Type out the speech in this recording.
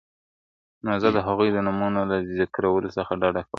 نو زه د هغوی د نومونو له ذکرولو څخه ډډه کوم !.